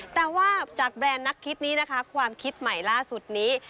แต่ว่าจากแบรนด์นักคิดนี้นะคะความคิดใหม่ล่าสุดนี้